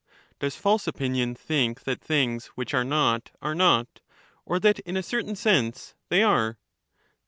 Does false opinion think that things which are not arc* position not, or that in a certain sense they are